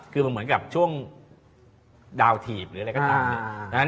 คือเหมือนกับช่วงดาวถีบหรืออะไรก็ถาม